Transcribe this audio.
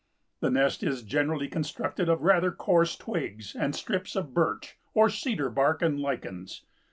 The nest is generally constructed of rather coarse twigs and strips of birch or cedar bark and lichens.